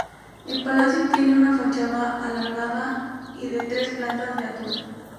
El palacio tiene una fachada alargada y de tres plantas de altura.